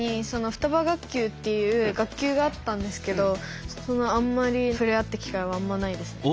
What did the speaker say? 学級っていう学級があったんですけどあんまり触れ合った機会はあんまないですね。